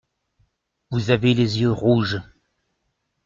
Vous avez les yeux rouges.